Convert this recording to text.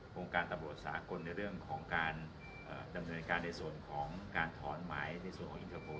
โครงการตำบุรุษสากลในเรื่องของการเอ่อดำเนินการในส่วนของการถอนไหมในส่วนของ